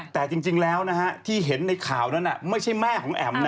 แต่จริงแล้วที่เห็นในข่าวนั้นไม่ใช่แม่ของแอ๋มนะ